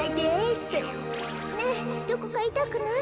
ねえどこかいたくない？